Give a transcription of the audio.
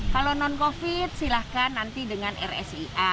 kalau non covid silahkan nanti dengan rsia